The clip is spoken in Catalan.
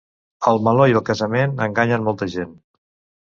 El meló i el casament enganyen molta gent.